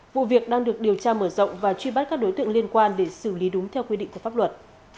vụ việc đang được điều tra mở rộng và truy bắt các đối tượng liên quan để xử lý đúng theo quy định của pháp luật